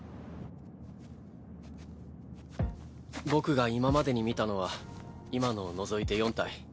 僕が今までに見たのは今のを除いて４体。